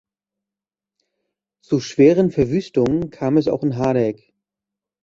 Zu schweren Verwüstungen kam es auch in Hardegg.